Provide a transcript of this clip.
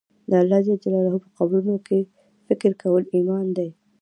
د الله جل جلاله په قدرتونو کښي فکر کول ایمان دئ.